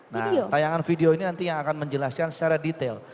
nah tayangan video ini nanti yang akan menjelaskan secara detail